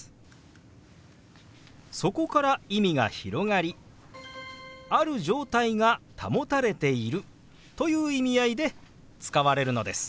そこから意味が広がりある状態が保たれているという意味合いで使われるのです。